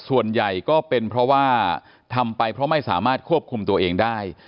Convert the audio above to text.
ส่วนใหญ่ก็เป็นเพราะว่าทำไปเพราะไม่สามารถควบคุมตัวเองได้